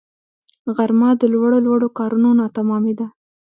غرمه د لوړو لوړو کارونو ناتمامی ده